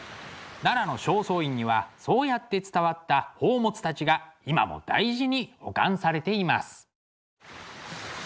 奈良の正倉院にはそうやって伝わった宝物たちが今も大事に保管されています。